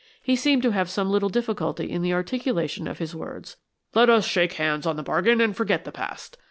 He seemed to have some little difficulty in the articulation of his words. "Let us shake hands on the bargain and forget the past.